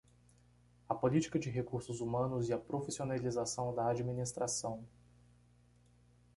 A política de recursos humanos e a profissionalização da administração